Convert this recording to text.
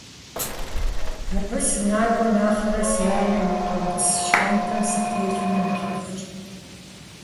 Абы сынакӀуэ нэхърэ, си анэм и къауц щхьэнтэм сытелъмэ нэхъыфӀщ.